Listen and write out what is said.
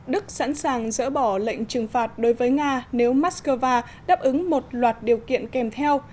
đức sẵn sàng dỡ bỏ lệnh trừng phạt đối với nga nếu moscow đáp ứng một loạt điều kiện kèm theo